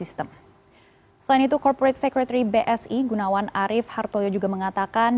selain itu corporate secretary bsi gunawan arief hartoyo juga mengatakan